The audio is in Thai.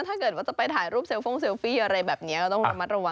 ถ้าเกิดว่าจะไปถ่ายรูปเซลฟงเซลฟี่อะไรแบบนี้ก็ต้องระมัดระวัง